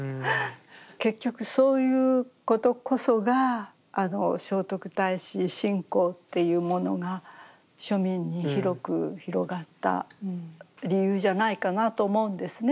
結局そういうことこそがあの聖徳太子信仰っていうものが庶民に広く広がった理由じゃないかなと思うんですね。